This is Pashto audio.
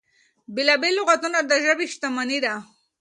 بېلا بېل لغتونه د ژبې شتمني ده.